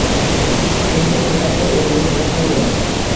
Kenja supaga urilib yiqildi.